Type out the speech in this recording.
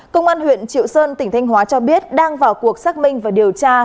công an huyện triệu sơn tỉnh thanh hóa cho biết đang vào cuộc xác minh và điều tra